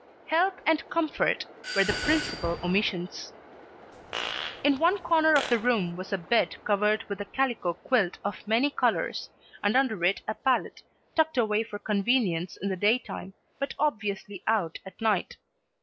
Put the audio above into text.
Health and comfort were the principal omissions. In one corner of the room was a bed covered with a calico quilt of many colors, and under it a pallet, tucked away for convenience in the daytime, but obviously out at night.